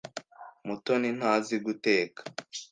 Mutoni ntazi guteka.